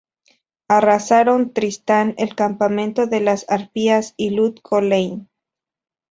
Arrasaron Tristan, El Campamento de las Arpías y Lut-Gholein.